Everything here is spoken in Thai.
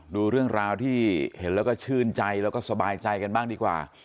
ดูเรื่องราวที่เห็นแล้วก็ชื่นใจแล้วก็สบายใจกันบ้างดีกว่า